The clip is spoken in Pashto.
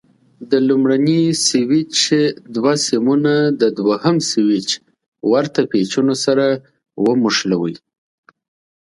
د لومړني سویچ دوه سیمونه د دوه یم سویچ ورته پېچونو سره ونښلوئ.